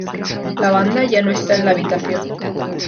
La banda ya no está en la habitación.